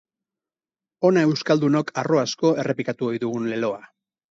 Hona eukaldunok harro asko errepikatu ohi dugun leloa.